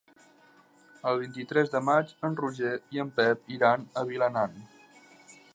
El vint-i-tres de maig en Roger i en Pep iran a Vilanant.